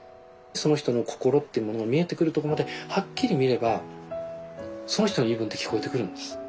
その人の心っていうものが見えてくるとこまではっきり見ればその人の言い分って聞こえてくるんです。